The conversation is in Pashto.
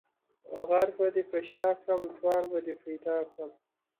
غر به دي په شاکړم ، توان به دي پيدا کړم.